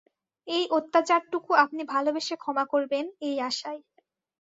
এই অত্যাচারটুকু আপনি ভালবেসে ক্ষমা করবেন, এই আশায়।